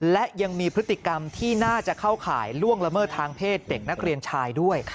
และยังมีพฤติกรรมที่น่าจะเข้าข่ายล่วงละเมิดทางเพศเด็กนักเรียนชายด้วย